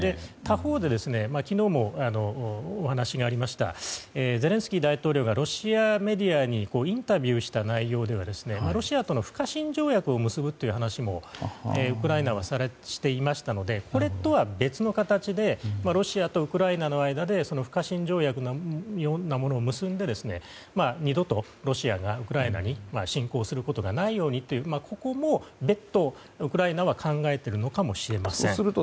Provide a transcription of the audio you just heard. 他方で、昨日もお話がありましたゼレンスキー大統領がロシアメディアにインタビューした内容ではロシアとの不可侵条約を結ぶという話をウクライナはしていましたのでこれとは別の形でロシアとウクライナの間で不可侵条約のようなものを結んで、二度とロシアがウクライナに侵攻することがないようにというここも別途ウクライナは考えているのかもしれません。